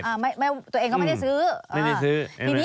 ตัวเองก็ไม่ได้ซื้อ